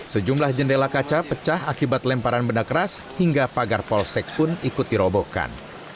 sejumlah jendela kaca pecah akibat lemparan benda keras hingga pagar polsek pun ikut dirobohkan